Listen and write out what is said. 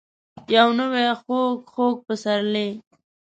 یو نوی خوږ. خوږ پسرلی ،